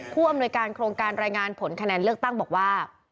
ผู้อำนวยการโครงการรายงานผลคะแนนเลือกตั้งบอกว่า